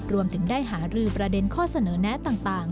รวมถึงได้หารือประเด็นข้อเสนอแนะต่าง